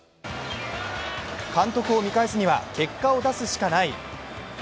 監督を見返すには、結果を出すしかない。